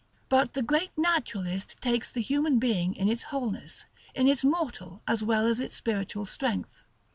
But the great Naturalist takes the human being in its wholeness, in its mortal as well as its spiritual strength.